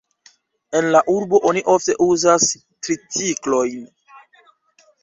En la urbo oni ofte uzas triciklojn.